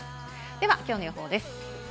ではきょうの予報です。